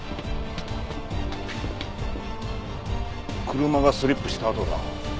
車がスリップした跡だ。